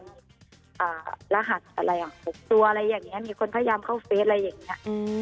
มีรหัสอะไรอ่ะ๖ตัวอะไรอย่างนี้มีคนพยายามเข้าเฟสอะไรอย่างนี้